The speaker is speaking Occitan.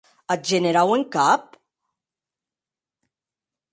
Ath generau en cap?